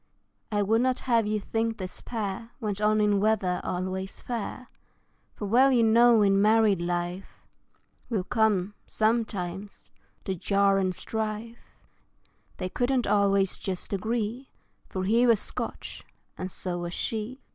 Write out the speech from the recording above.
I would not have you think this pair Went on in weather always fair, For well you know in married life Will come, sometimes, the jar and strife; They couldn't always just agree For he was Scotch, and so was she.